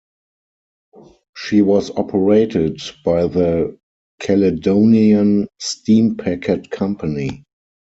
She was operated by the Caledonian Steam Packet Company.